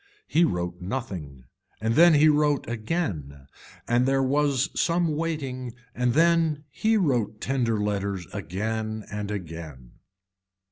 He wrote nothing and then he wrote again and there was some waiting and then he wrote tender letters again and again.